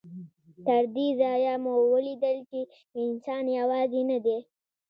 تر دې ځایه مو ولیدل چې انسان یوازې نه دی.